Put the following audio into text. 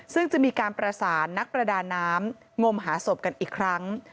ซึ่งจะมีการประสานนักประดาน้ำงมหาศพกันอีกครั้ง